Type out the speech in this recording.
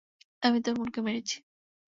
আমি তোর বোনকে মেরেছি।